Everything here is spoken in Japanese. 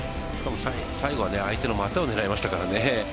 最後は相手の股を狙いましたからね。